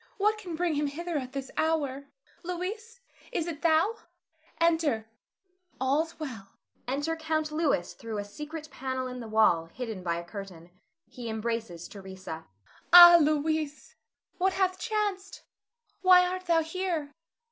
What can bring him hither at this hour? Louis, is it thou? Enter; "all's well." [Enter Count Louis through a secret panel in the wall, hidden by a curtain. He embraces Theresa. Theresa. Ah, Louis, what hath chanced? Why art thou here?